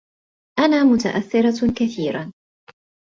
أنا متأثّرة كثيرا.